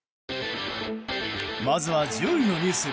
まずは１０位のニュース。